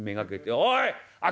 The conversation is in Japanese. おい！